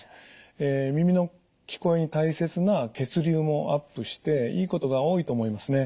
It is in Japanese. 耳の聞こえに大切な血流もアップしていいことが多いと思いますね。